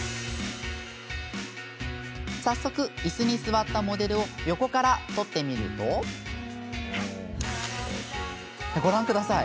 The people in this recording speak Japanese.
早速、いすに座ったモデルを横から撮ってみるとご覧ください。